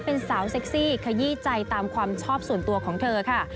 เป็นสาวเซ็กซี่ขยี้ใจตามความชอบส่วนตัวของเธอค่ะ